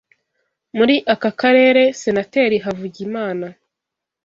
muri aka karere Senateri Havugimana